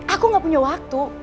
aku gak punya waktu